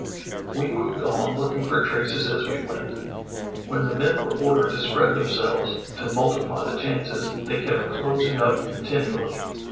"We moved on looking for traces as we went. When the men were ordered to spread themselves, to multi ply the chances, they kept closing up continually.